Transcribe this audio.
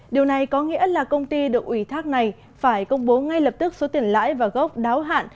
điều này có nghĩa là công ty được ủy thác này phải công bố ngay lập tức số tiền lãi và gốc đáo hạn